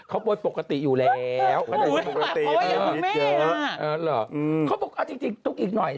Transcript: เออหรือเค้าบอกเอาจริงตุกอีกหน่อย